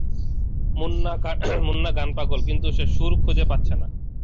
মুন্না গান পাগল, কিন্তু সে সুর খুঁজে পাচ্ছে না।